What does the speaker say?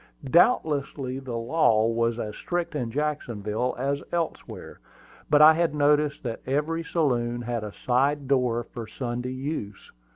Doubtless the law was as strict in Jacksonville as elsewhere; but I had noticed that every saloon had a side door for Sunday use.